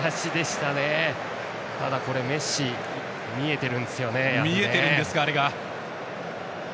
ただ、メッシ見えているんですよね。